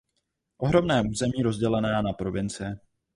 Ohromné území rozdělené na provincie.